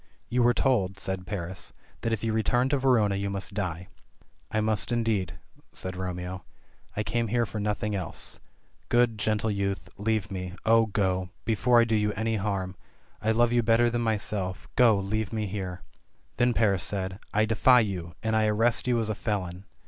"You were told," said Paris, "that if you returned to Verona you must die." "I must indeed," said Romeo. "I came here for nothing else. Good, gentle youth — leave me — Oh, go — ^before I do you any harm ^I love you better than myself — ^go — leave me here —" Then Paris said, "I defy you — ^and I arrest you as a felon."